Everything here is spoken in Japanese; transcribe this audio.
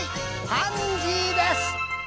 パンジーです。